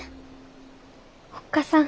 おっ母さん。